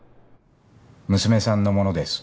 娘さんのものです。